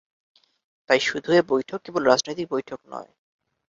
তাই শুধু এ বৈঠক কেবল রাজনৈতিক বৈঠক নয়।